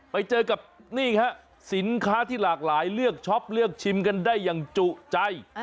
ไปเจอกับนี่ฮะสินค้าที่หลากหลายเลือกช็อปเลือกชิมกันได้อย่างจุใจ